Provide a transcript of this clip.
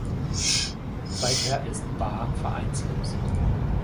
Seither ist Bah vereinslos.